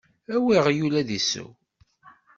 Awi aɣyul ad d-isew.